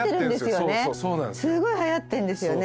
すごいはやってんですよね。